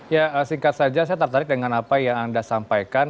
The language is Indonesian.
ya singkat saja saya tertarik dengan apa yang anda sampaikan